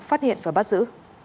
phát hiện và bắt giữ